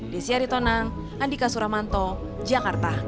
di syari tonang andika suramanto jakarta